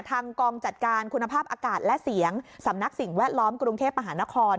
ทางกองจัดการคุณภาพอากาศและเสียงสำนักสิ่งแวดล้อมกรุงเทพมหานคร